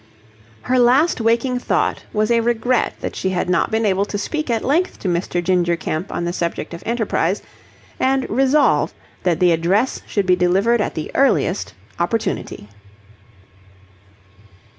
Her last waking thought was a regret that she had not been able to speak at length to Mr. Ginger Kemp on the subject of enterprise, and resolve that the address should be delivered at the earliest opportunity.